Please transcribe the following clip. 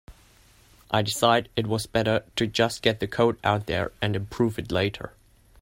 I decided it was better to just get the code out there and improve it later.